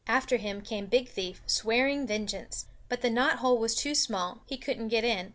After him came Big Thief, swearing vengeance. But the knot hole was too small; he couldn't get in.